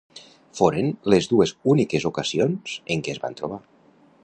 Foren les dues úniques ocasions en què es van trobar.